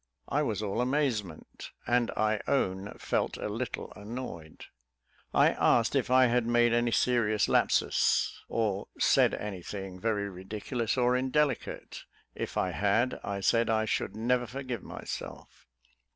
I was all amazement, and I own felt a little annoyed. I asked if I had made any serious lapsus, or said any thing very ridiculous or indelicate; if I had, I said I should never forgive myself.